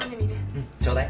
うんちょうだい。